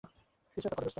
কিছু একটা কর, দোস্ত!